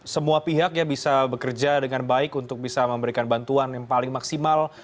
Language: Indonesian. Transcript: semua pihak ya bisa bekerja dengan baik untuk bisa memberikan bantuan yang paling maksimal